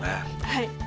はい。